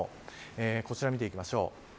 こちらを見ていきましょう。